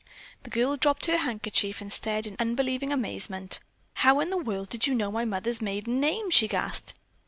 The girl dropped her handkerchief and stared in unbelieving amazement. "How in the world did you know my mother's maiden name?" she gasped.